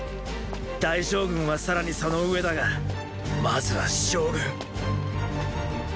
“大将軍”はさらにその上だがまずは“将軍”！